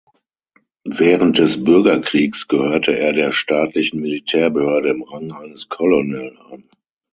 Während des Bürgerkrieges gehörte er der staatlichen Militärbehörde im Rang eines Colonel an.